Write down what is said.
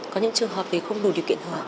có những trường hợp thì không đủ điều kiện hưởng